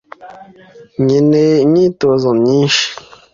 Nkeneye imyitozo myinshi.